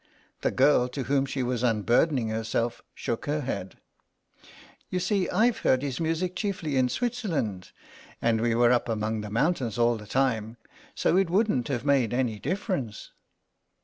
The girl to whom she was unburdening herself shook her head. "You see, I've heard his music chiefly in Switzerland, and we were up among the mountains all the time, so it wouldn't have made any difference."